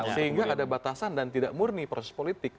sehingga ada batasan dan tidak murni proses politik